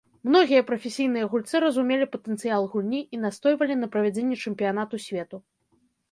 Многія прафесійныя гульцы разумелі патэнцыял гульні і настойвалі на правядзенні чэмпіянату свету.